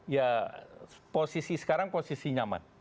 ya posisi sekarang posisi nyaman